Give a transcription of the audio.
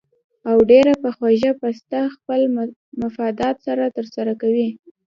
او ډېره پۀ خوږه پسته خپل مفادات تر سره کوي